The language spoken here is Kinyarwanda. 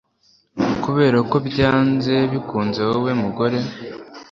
Kubera ko byanze bikunze wowe Mugore